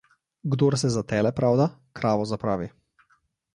Kdor se za tele pravda, kravo zapravi.